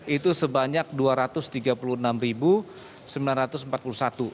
itu sebanyak dua ratus tiga puluh enam sembilan ratus empat puluh satu